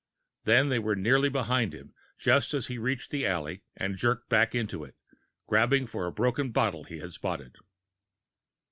Then they were nearly behind him, just as he reached the alley and jerked back into it, grabbing for a broken bottle he had spotted.